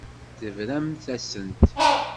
Tebramt-asent.